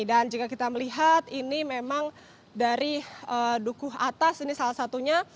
dan jika kita melihat ini memang dari duku atas ini salah satunya